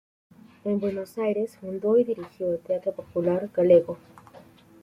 En Buenos Aires fundó y dirigió el Teatro Popular Galego.